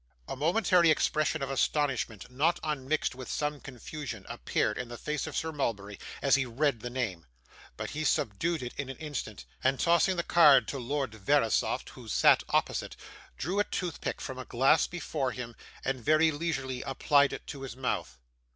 A momentary expression of astonishment, not unmixed with some confusion, appeared in the face of Sir Mulberry as he read the name; but he subdued it in an instant, and tossing the card to Lord Verisopht, who sat opposite, drew a toothpick from a glass before him, and very leisurely applied it to his mouth.